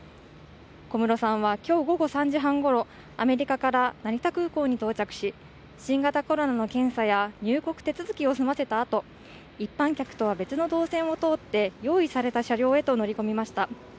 小室さんは今日午後３時半ごろアメリカから成田空港に到着し新型コロナの検査や入国手続きを済ませたあと一般客とは別の動線を通って用意された車両へと乗り込みました。